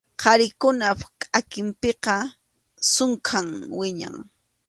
Qharikunap kʼakinpiqa sunkham wiñan.